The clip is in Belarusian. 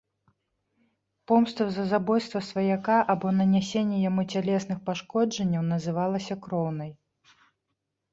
Помста за забойства сваяка або нанясенне яму цялесных пашкоджанняў называлася кроўнай.